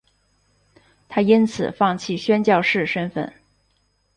她因此放弃宣教士身分。